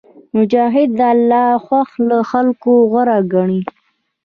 مجاهد د الله خوښه له خلکو غوره ګڼي.